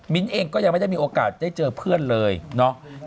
เองก็ยังไม่ได้มีโอกาสได้เจอเพื่อนเลยเนาะ